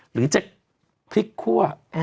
หรือจะพริกคั่ว